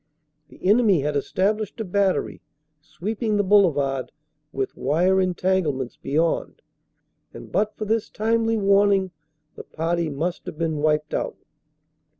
The enemy had established a battery sweeping the boulevard, with wire entanglements beyond, and but for this timely warning the party must have been wiped out.